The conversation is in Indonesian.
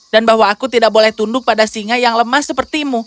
dan bahwa aku tidak boleh tunduk pada singa yang lemah sepertimu